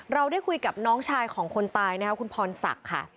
เราได้คุยกับน้องชายของคนตายนะครับคุณพรศักดิ์ค่ะ